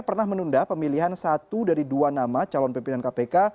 pernah menunda pemilihan satu dari dua nama calon pimpinan kpk